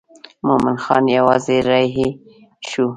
مومن خان یوازې رهي شو.